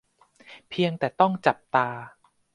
เพียงแต่ต้องจับตา